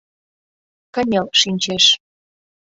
Кынел шинчеш.